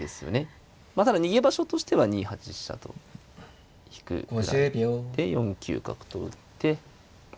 まあただ逃げ場所としては２八飛車と引くくらいで４九角と打って。